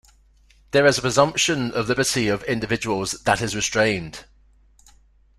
There is a presumption of liberty of individuals that is restrained.